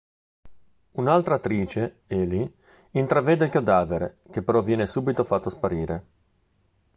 Un'altra attrice, Ely, intravede il cadavere, che però viene subito fatto sparire.